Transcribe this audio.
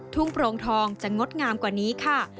โปรงทองจะงดงามกว่านี้ค่ะ